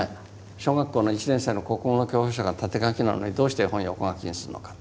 小学校の１年生の国語の教科書が縦書きなのにどうして絵本を横書きにするのかと。